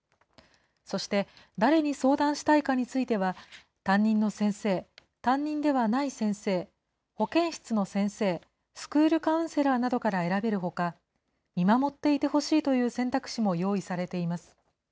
そして、誰に相談したいかについては、担任の先生、担任ではない先生、保健室の先生、スクールカウンセラーなどから選べるほか、見守っていてほしいという選択肢も用意されています。